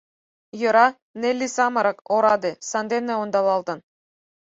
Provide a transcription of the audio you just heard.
Йӧра, Нелли самырык, ораде, сандене ондалалтын.